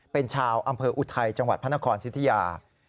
เป็นชาวอำเภออุทัยจังหวัดพระนครสิทธิยา